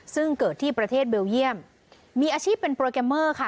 ซึ่งเกิดที่ประเทศเบลเยี่ยมมีอาชีพเป็นโปรแกรมเมอร์ค่ะ